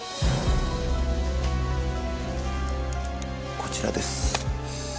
こちらです。